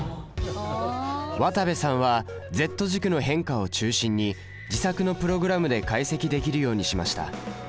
渡部さんはＺ軸の変化を中心に自作のプログラムで解析できるようにしました。